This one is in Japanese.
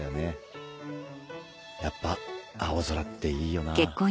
やっぱ青空っていいよな。